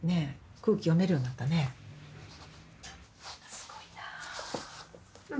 すごいな。